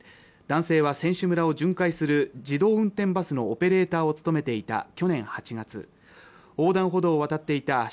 男性は選手村を巡回する自動運転バスのオペレーターを務めていた去年８月横断歩道を渡っていた